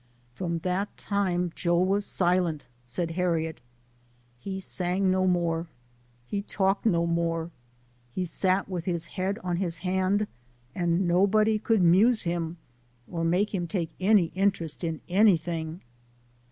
" From dat time Joe was silent," said Harriet ;" he sang no more, he talked :io more ; he sat wid his head on his hand, and nobody could 'muse him or make him take any interest in anyting."